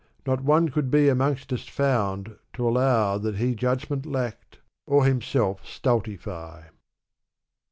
Not one could be amongst us found t' allow that He judgment lacked, or himself stultify.